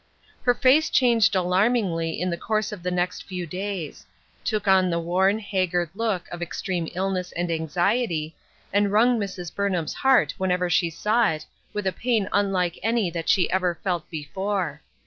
Her face changed alarmingly in the course of the next few days ; took on the worn, haggard look of extreme illness and anxiety, and wrung Mrs. Burn ham's heart whenever she saw it with a pain unlike any that she ever felt before.